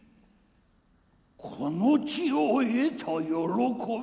この地を得た喜び。